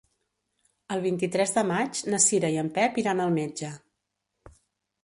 El vint-i-tres de maig na Cira i en Pep iran al metge.